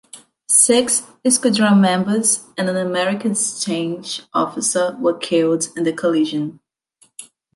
Six squadron members and an American exchange officer were killed in the collision.